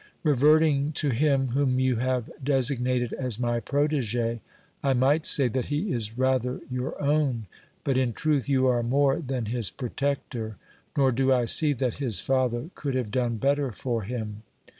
Reverting to him whom you have designated as my protege, I might say that he is rather your own, but in truth you are more than his protector, nor do I see that his father could have done better for him.